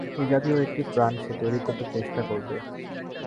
এ জাতীয় একটি প্রাণ সে তৈরি করতে চেষ্টা করবে।